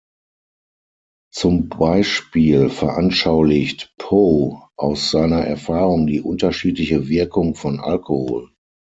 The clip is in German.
Zum Beispiel veranschaulicht Poe aus seiner Erfahrung die unterschiedliche Wirkung von Alkohol.